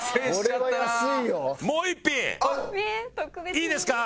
いいですか？